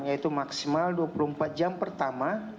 yaitu maksimal dua puluh empat jam pertama